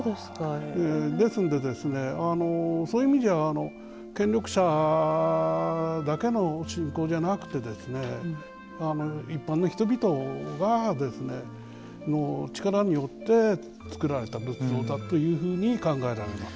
ですのでそういう意味では権力者だけの信仰じゃなくて一般の人々の力によって造られた仏像だというふうに考えられます。